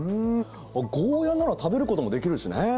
あっゴーヤなら食べることもできるしね。